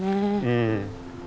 うん。